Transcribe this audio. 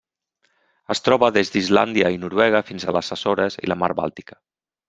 Es troba des d'Islàndia i Noruega fins a les Açores i la Mar Bàltica.